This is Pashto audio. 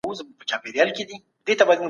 اميل دورکهايم څوک و؟